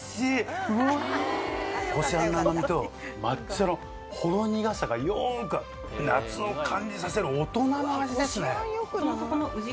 こし餡の甘みと抹茶のほろ苦さがよく夏を感じさせる大人の味ですね。